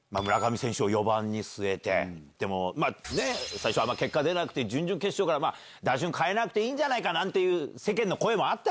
最初結果出なくて準々決勝から打順替えなくていいんじゃないか？なんて世間の声もあった。